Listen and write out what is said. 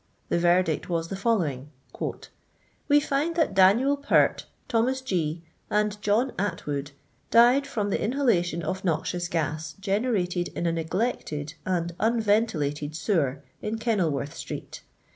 The verdict was the following: '—*' We find that Daniel Pert, Thomas Gee, aiid j John Attwood died from the inhalation of noxious uas generated in a neglected and UDTentilaied i sewer in Kenil worth street.